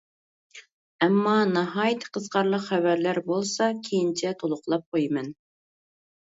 ئەمما، ناھايىتى قىزىقارلىق خەۋەرلەر بولسا كېيىنچە تولۇقلاپ قويىمەن.